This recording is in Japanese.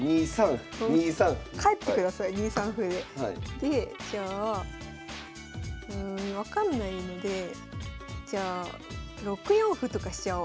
でじゃあうん分かんないのでじゃあ６四歩とかしちゃお。